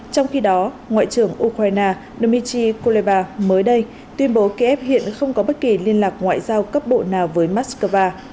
trong khi đó ngoại trưởng ukraine dmitry koleba mới đây tuyên bố kiev hiện không có bất kỳ liên lạc ngoại giao cấp bộ nào với moscow